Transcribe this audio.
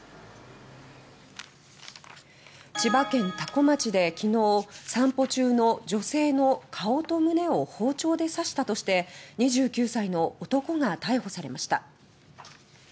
千葉県多古町で、きのう散歩中の女性の顔と胸を包丁で刺したとして２９歳の男が逮捕されました。